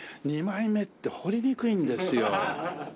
二枚目って彫りにくいんですよ。